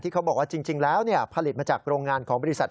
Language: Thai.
เขาบอกว่าจริงแล้วผลิตมาจากโรงงานของบริษัท